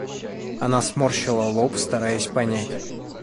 Она сморщила лоб, стараясь понять.